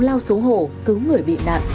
lau xuống hồ cứu người bị nạn